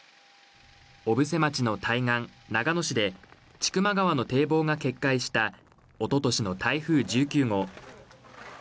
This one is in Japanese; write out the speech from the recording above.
小布施町の対岸、長野市で千曲川の堤防が決壊したおととしの台風１９号。